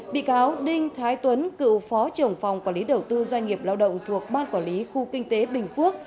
bị cáo đinh thái tuấn cựu phó trưởng phòng quản lý đầu tư doanh nghiệp lao động thuộc ban quản lý khu kinh tế bình phước